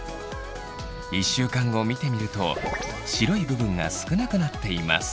１週間後見てみると白い部分が少なくなっています。